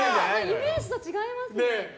イメージと違いますね。